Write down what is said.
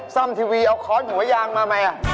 ส้มทีวีเอาค้อนหัวยางมามั้ย